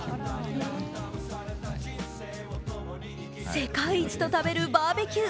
世界一と食べるバーベキュー